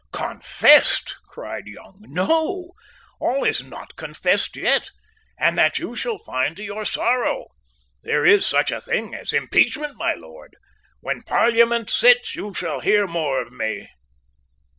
"Confessed!" cried Young; "no, all is not confessed yet; and that you shall find to your sorrow. There is such a thing as impeachment, my Lord. When Parliament sits you shall hear more of me."